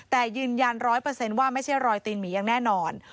แต่ยืนยันร้อยเปอร์เซ็นต์ว่าไม่ใช่รอยตีนหมียังแน่นอน